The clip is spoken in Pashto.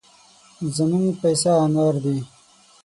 زموږ پيسه انار دي.